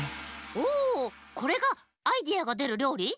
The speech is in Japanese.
おこれがアイデアがでるりょうり？